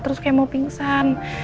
terus kayak mau pingsan